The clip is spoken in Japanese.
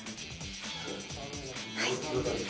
はい。